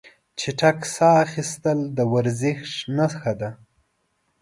چټک ساه اخیستل د ورزش نښه ده.